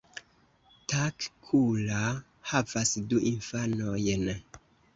Takkula havas du infanojn.